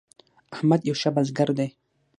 احمد یو ښه بزګر دی.